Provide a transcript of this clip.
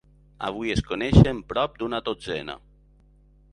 Avui es coneixen prop d'una dotzena.